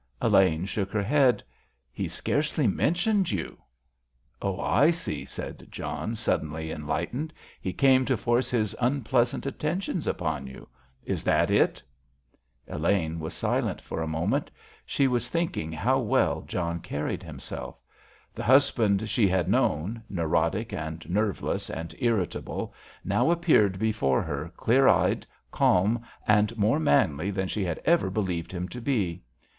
Elaine shook her head. "He scarcely mentioned you." "Oh, I see," said John, suddenly enlightened; "he came to force his unpleasant attentions upon you. Is that it?" Elaine was silent a moment. She was thinking how well John carried himself. The husband she had known, neurotic and nerveless and irritable, now appeared before her clear eyed, calm and more manly than she had ever believed him to be.